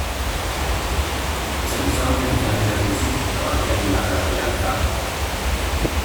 C'è bisogno di pianger così, davanti a quella casa bianca?